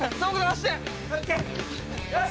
よし！